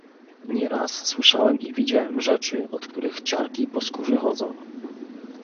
"Nieraz słyszałem i widziałem rzeczy, od których ciarki po skórze chodzą."